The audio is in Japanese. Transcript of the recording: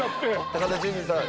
高田純次さん